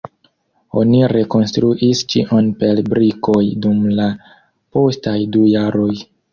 Oni rekonstruis ĉion per brikoj dum la postaj du jaroj.